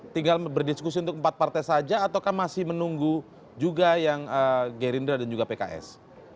tinggal berdiskusi untuk empat partai saja ataukah masih menunggu juga yang gerindra dan juga pks